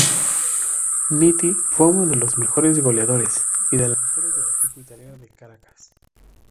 Nitti fue uno de los mejores goleadores y delanteros del equipo italiano de Caracas.